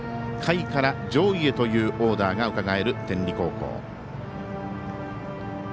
下位から上位へというオーダーがうかがえる天理高校。